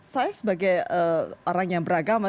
saya sebagai orang yang beragama